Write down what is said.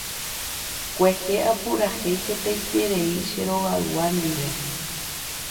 Kuehe apurahéi hetaiterei che rogaygua ndive.